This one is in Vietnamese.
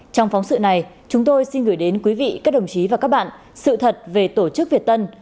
trong phóng sự này chúng tôi xin gửi đến quý vị các đồng chí và các bạn sự thật về tổ chức việt tân